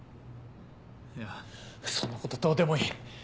いやそんなことどうでもいい。